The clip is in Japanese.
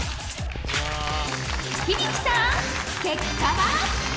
響さん結果は。